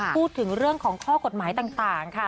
พูดถึงเรื่องของข้อกฎหมายต่างค่ะ